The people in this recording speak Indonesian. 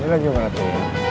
ini lagi berarti